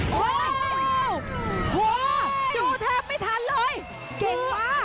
ดูเทปไม่ทันเลยเก่งกับ